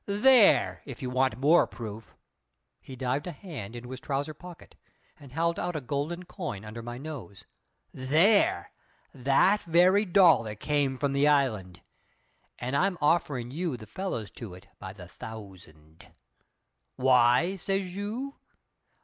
There if you want more proof!" He dived a hand into his trouser pocket, and held out a golden coin under my nose. "There! that very dollar came from the island, and I'm offerin' you the fellows to it by the thousand. Why? says you.